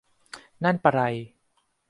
นั่นปะไร